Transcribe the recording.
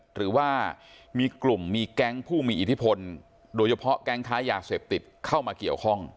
หรือว่ามีกลุ่มมีแก๊งผู้มีอิทธิพลโดยเฉพาะแก๊งค้ายาเสพติดเข้ามาเกี่ยวข้อง